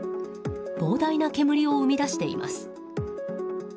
膨大な煙を生み出しています。